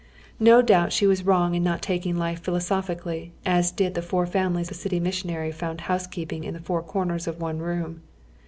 Ko doubt she was wrong in not taking life philo sophically, as did the four families a city missionary found housekeeping in the four corners of one room.